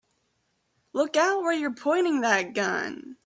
Look out where you're pointing that gun!